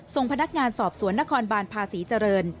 ส่งพนักงานสอบสวนนครบานภาษีเจริญ